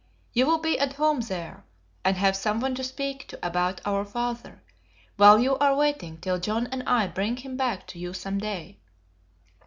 You will be at home there, and have someone to speak to about our father, while you are waiting till John and I bring him back to you some day.